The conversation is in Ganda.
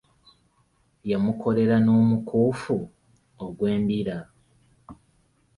Yamukolera n'omukuufu ogw'embira.